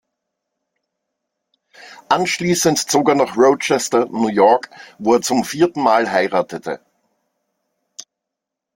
Anschließend zog er nach Rochester, New York, wo er zum vierten Mal heiratete.